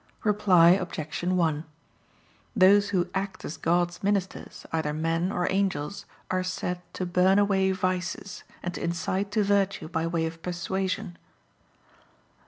Reply Obj. 1: Those who act as God's ministers, either men or angels, are said to burn away vices, and to incite to virtue by way of persuasion.